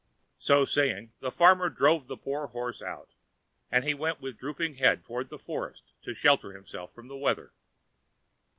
So saying, the farmer drove the poor horse out; and he went with drooping head toward the forest to shelter himself there from the weather.